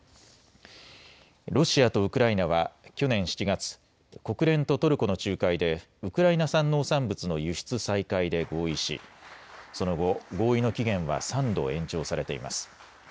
ロシアとウクライナは去年７月、国連とトルコの仲介でウクライナ産農産物の輸出再開で合意しその後、合意の期限は３度延長されています。